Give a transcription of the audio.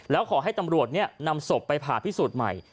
แล้วขอให้ตำรวจนำศพไปผ่าพิสูจน์ใหม่